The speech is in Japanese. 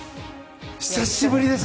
久しぶりです！